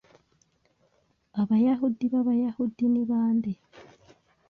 Abayahudi b'Abayahudi ni bande